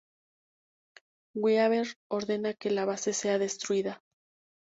Weaver ordena que la base sea destruida.